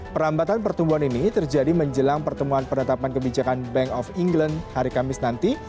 perambatan pertumbuhan ini terjadi menjelang pertemuan penetapan kebijakan bank of england hari kamis nanti